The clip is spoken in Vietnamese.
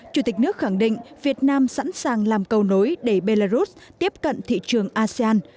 chủ tịch nước khẳng định việt nam sẵn sàng làm cầu nối để belarus tiếp cận thị trường asean